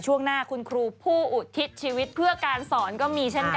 ช่วงหน้าคุณครูผู้อุทิศชีวิตเพื่อการสอนก็มีเช่นกัน